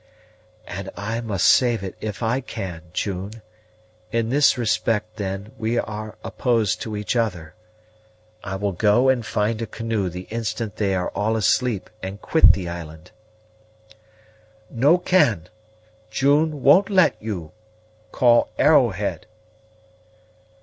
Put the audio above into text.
"And I must save it if I can, June. In this respect, then, we are opposed to each other. I will go and find a canoe the instant they are all asleep, and quit the island." "No can June won't let you. Call Arrowhead."